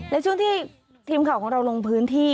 ในช่วงที่ทีมข่าวของเราลงพื้นที่